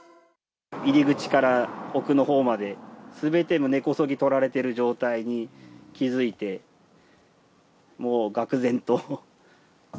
入り口から奥のほうまで、すべてもう根こそぎとられてる状態に気付いて、もうがく然と。